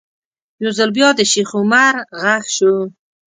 یو ځل بیا د شیخ عمر غږ شو.